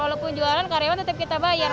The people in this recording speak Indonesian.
walaupun jualan karyawan tetap kita bayar